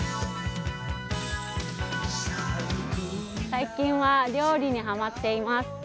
最近は料理にハマっています。